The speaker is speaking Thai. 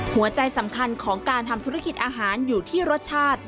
หัวใจสำคัญของการทำธุรกิจอาหารอยู่ที่รสชาติ